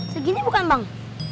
segini bukan bang